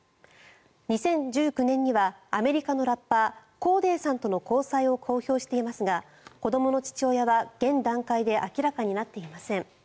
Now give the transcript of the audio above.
２０１９年にはアメリカのラッパーコーデーさんとの交際を公表していますが子どもの父親は現段階で明らかになっていません。